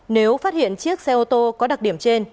nếu phát hiện chiếc xe ô tô có đặc điểm trên